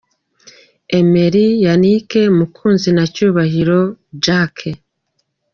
Emery, Yannick Mukunzi na Cyubahiro Jacques.